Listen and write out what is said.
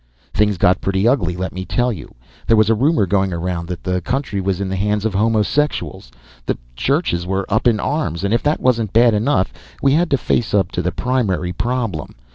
Things got pretty ugly, let me tell you. There was a rumor going around that the country was in the hands of homosexuals the churches were up in arms and if that wasn't bad enough, we had to face up to the primary problem.